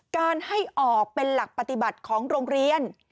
การให้ออกเป็นหลักปฏิบัติของโรงเรียน